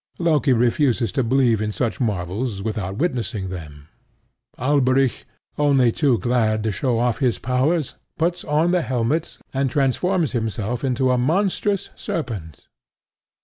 Loki refuses to believe in such marvels without witnessing them. Alberic, only too glad to show off his powers, puts on the helmet and transforms himself into a monstrous serpent.